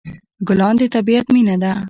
ګلان د طبیعت مینه ده.